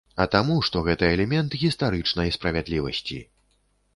А таму, што гэта элемент гістарычнай справядлівасці.